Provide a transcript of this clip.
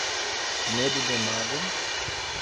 Medo de mágoa